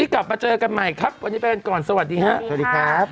ขอบคุณกับพ่อด้วยนะครับ